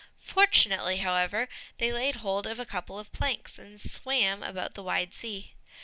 Fortunately, however, they laid hold of a couple of planks, and swam about the wide sea.